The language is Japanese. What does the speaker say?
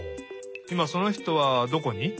いまその人はどこに？